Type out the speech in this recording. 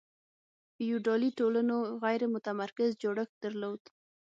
فیوډالي ټولنو غیر متمرکز جوړښت درلود.